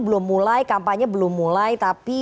belum mulai kampanye belum mulai tapi